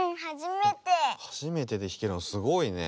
はじめてでひけるのすごいね。